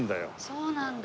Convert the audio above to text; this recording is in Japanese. そうなんだ。